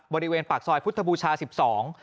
บริเวณปากซอยพุทธบูชาสิบสอง